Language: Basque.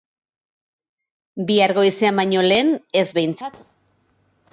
Bihar goizean baino lehen ez behintzat.